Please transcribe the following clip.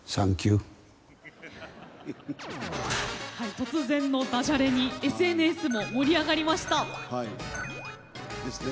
突然のだじゃれにＳＮＳも盛り上がりました。ですね。